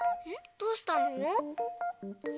どうしたの？